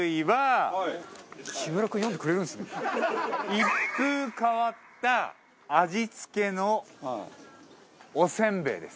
一風変わった味付けのおせんべいです。